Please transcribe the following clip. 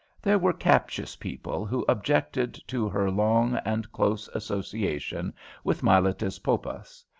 There were captious people who objected to her long and close association with Miletus Poppas.